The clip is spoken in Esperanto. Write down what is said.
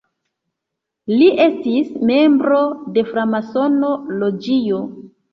Li estis membro de framasono loĝio.